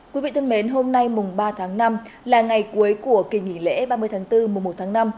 quý vị thân mến hôm nay mùng ba tháng năm là ngày cuối của kỳ nghỉ lễ ba mươi tháng bốn mùa một tháng năm